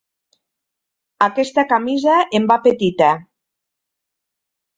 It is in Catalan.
Aquesta camisa em va petita.